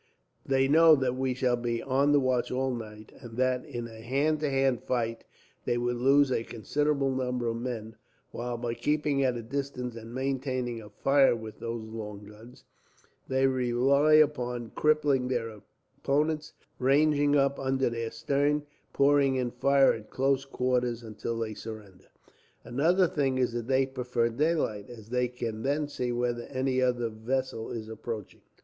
They know that we shall be on the watch all night, and that, in a hand to hand fight, they would lose a considerable number of men; while by keeping at a distance, and maintaining a fire with their long guns, they rely upon crippling their opponents; and then, ranging up under their stern, pouring in a fire at close quarters until they surrender. "Another thing is that they prefer daylight, as they can then see whether any other vessel is approaching.